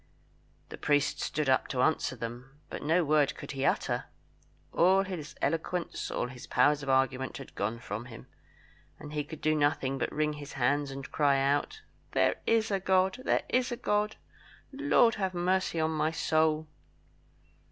The priest stood up to answer them, but no word could he utter. All his eloquence, all his powers of argument had gone from him; and he could do nothing but wring his hands and cry out, "There is a God! there is a God! Lord have mercy on my soul!"